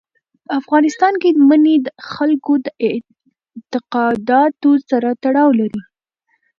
په افغانستان کې منی د خلکو د اعتقاداتو سره تړاو لري.